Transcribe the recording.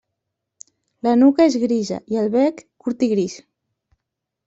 La nuca és grisa, i el bec curt i gris.